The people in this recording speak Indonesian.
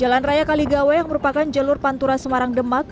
jalan raya kaligawa yang merupakan jalur pantura semarang demak